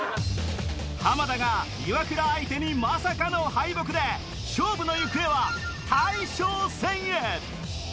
浜田がイワクラ相手にまさかの敗北で勝負の行方は大将戦へ！